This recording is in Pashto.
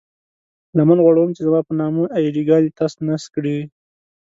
لمن غوړوم چې زما په نامه اې ډي ګانې تس نس کړئ.